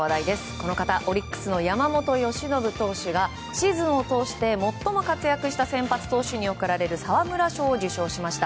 この方オリックスの山本由伸投手がシーズンを通して最も活躍した先発投手に贈られる沢村賞を受賞しました。